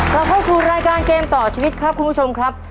เราเข้าสู่รายการเกมต่อชีวิตครับคุณผู้ชมครับ